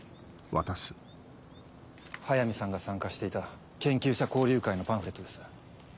速水さんが参加していた研究者交流会のパンフレットです。